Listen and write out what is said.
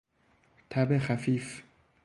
تب خفیف